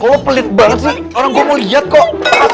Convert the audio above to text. kok lo pelit banget sih orang gue mau liat kok